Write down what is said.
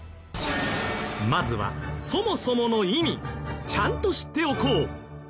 まずはそもそもの意味ちゃんと知っておこう！